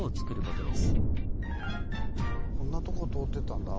こんなとこ通ってたんだ。